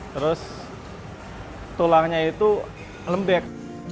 terus tulangnya itu lembek